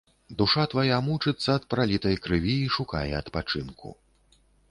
Душа твая мучыцца ад пралітай крыві і шукае адпачынку.